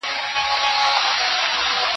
زه به زدکړه کړې وي،